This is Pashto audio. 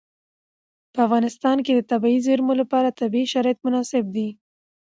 په افغانستان کې د طبیعي زیرمې لپاره طبیعي شرایط مناسب دي.